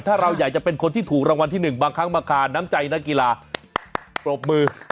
ถ้าเราอยากจะเป็นคนที่ถูกรางวัลที่๑บางครั้งมาคาน้ำใจนักกีฬาปรบมือ